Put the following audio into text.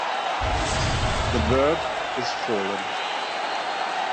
The Bird is Fallen".